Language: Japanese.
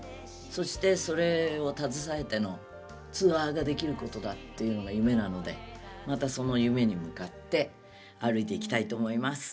そしてそれを携えてのツアーができることだっていうのが夢なのでまたその夢に向かって歩いていきたいと思います。